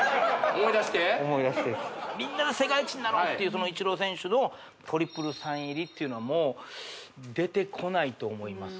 思い出してみんなで世界一になろうっていうイチロー選手のトリプルサイン入りってもう出てこないと思います